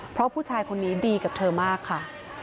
เพราะผู้ชายคนนี้ดีกับเธอมากค่ะ